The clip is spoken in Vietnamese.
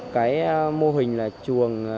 cái mô hình là chuồng